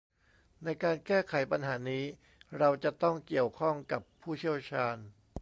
ในการแก้ไขปัญหานี้เราจะต้องเกี่ยวข้องกับผู้เชี่ยวชาญ